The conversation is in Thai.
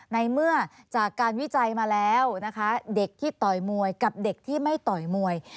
ในเมื่อจากการวิจัยมาแล้วนะคะเด็กที่ต่อยมวยกับเด็กที่ไม่ต่อยมวย